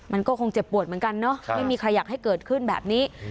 มันก็คงเจ็บปวดเหมือนกันเนอะไม่มีใครอยากให้เกิดขึ้นแบบนี้